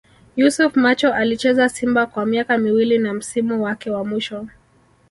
Yusuf Macho Alicheza Simba kwa miaka miwili na msimu wake wa mwisho